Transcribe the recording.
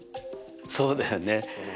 そうだよね。